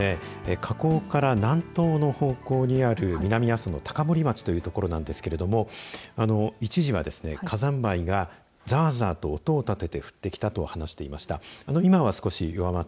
火口から南東の方向にある南阿蘇の高森町という所なんですけれども一時は火山灰がざあざあと音を立てて降ってきたと話していました。